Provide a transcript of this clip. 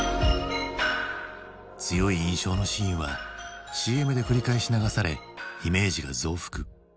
強い印象のシーンはＣＭで繰り返し流されイメージが増幅。